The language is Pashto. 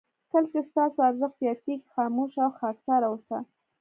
کله چې ستاسو ارزښت زیاتېږي خاموشه او خاکساره اوسه.